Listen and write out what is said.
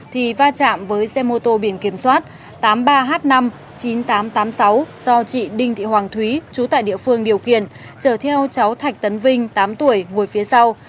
thì va chạm với xe mô tô biển kiểm soát tám mươi ba h năm chín nghìn tám trăm tám mươi sáu do chị đinh thị hoàng thúy trú tại địa phương điều khiển chở theo cháu thạch tấn vinh tám tuổi ngồi phía sau